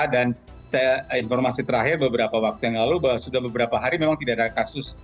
saya informasi terakhir beberapa waktu yang lalu bahwa sudah beberapa hari memang tidak ada kasus